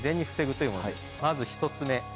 まず１つ目